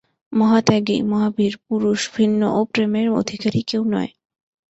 মহাত্যাগী, মহাবীর পুরুষ ভিন্ন ও-প্রেমের অধিকারী কেউ নয়।